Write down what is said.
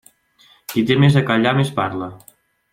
Qui té més a callar més parla.